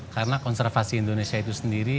karena konservasi indonesia itu sendiri